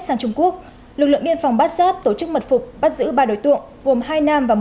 sang trung quốc lực lượng biên phòng bát sát tổ chức mật phục bắt giữ ba đối tượng gồm hai nam và một